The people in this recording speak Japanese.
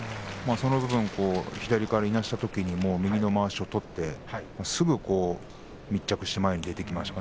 その分、左からいなしたときに右のまわしを取ってすぐに密着して前に出ていきました。